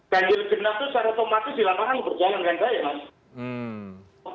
ganjil genap itu secara otomatis di lapangan berjalan dengan baik mas